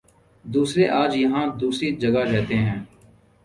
دوسرے آج یہاں دوسری جگہ رہتے ہیں